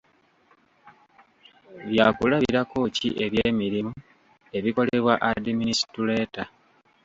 Byakulabirako ki eby'emirimu ebikolebwa adiminisituleeta.